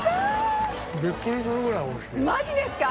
マジですか？